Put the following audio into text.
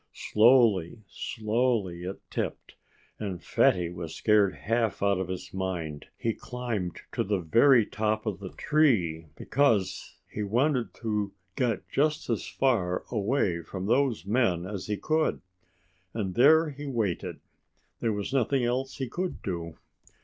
Slowly, slowly it tipped. And Fatty was scared half out of his mind. He climbed to the very top of the tree, because he wanted to get just as far away from those men as he could. And there he waited. There was nothing else he could do.